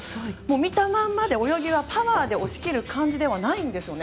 見たまんまで泳ぎは、パワーで押し切る感じではないんです。